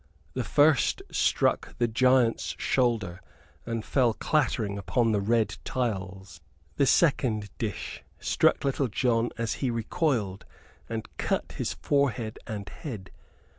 _] The first struck the giant's shoulder and fell clattering upon the red tiles. The second dish struck Little John as he recoiled and cut his forehead and head.